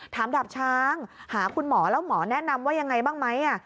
ดาบช้างหาคุณหมอแล้วหมอแนะนำว่ายังไงบ้างไหม